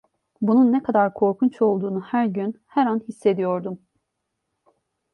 Bunun ne kadar korkunç olduğunu her gün, her an hissediyordum.